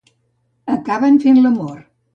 Acaben fent l'amor.